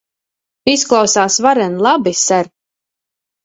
Izklausās varen labi, ser.